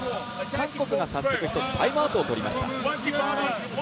韓国が早速１つ、タイムアウトを取りました。